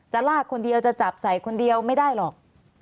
ลากคนเดียวจะจับใส่คนเดียวไม่ได้หรอก